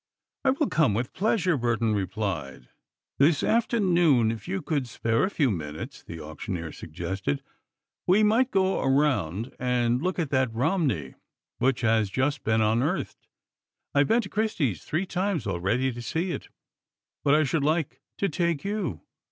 "I will come with pleasure," Burton replied. "This afternoon, if you could spare a few minutes?" the auctioneer suggested. "We might go around and look at that Romney which has just been unearthed. I have been to Christie's three times already to see it, but I should like to take you.